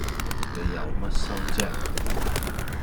你有乜收啫